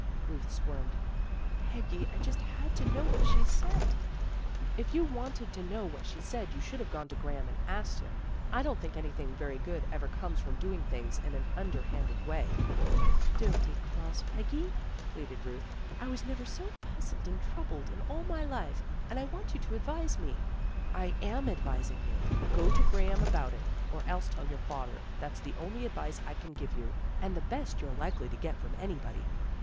" Ruth squirmed. " Peggy, I just had to know what she said." " If you wanted to know what she said you should have gone to Graham and asked him. I don't think anything very good ever comes from doing things in an underhanded way." " Don't be cross, Peggy," pleaded Ruth. " I never was so puzzled and troubled in all my life. And I want you to advise me." " I am advising you. Go to Graham about it. Or else tell your father. That's the only advice I can give you, and the best you're likely to get from anybody."